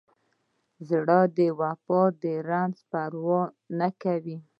زړه د وفا د زخم پروا نه کوي.